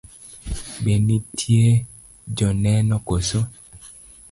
Be nitie joneno koso?